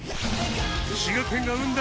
滋賀県が生んだ